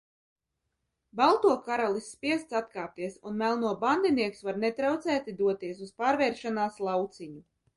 Balto karalis spiests atkāpties un melno bandinieks var netraucēti doties uz pārvēršanās lauciņu.